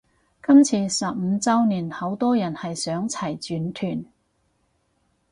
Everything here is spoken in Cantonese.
今次十五周年好多人係想齊全團